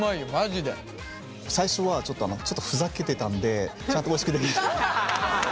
最初はちょっとふざけてたんでちゃんとおいしくできるか。